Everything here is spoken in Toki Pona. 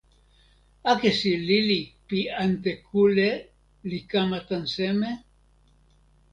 akesi lili pi ante kule li kama tan seme?